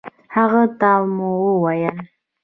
هغه ته مو وويل